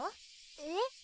えっ？